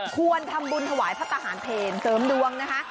ควรทำบุญถวายพระทหารเพลเสริมดวงนะคะ